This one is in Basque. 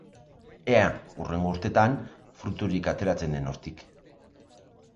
Ea hurrengo urteetan fruiturik ateratzen den hortik.